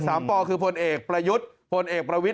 สามปอพอเอกประยุทธ